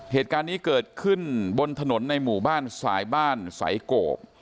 เหตุการณ์นี้เกิดขึ้นบนถนนในหมู่บ้านสายบ้านสายโกบ